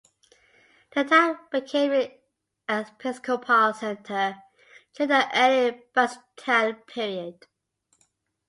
The town became an episcopal centre during the early Byzantine period.